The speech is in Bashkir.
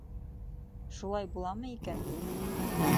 Шулай буламы икән?